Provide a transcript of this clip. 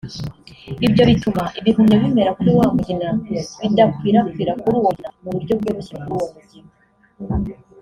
Ibyo bituma ibihumyo bimera kuri wa mugina bidakwirakwira kuri uwo mugina mu buryo bworoshye kuri uwo mugina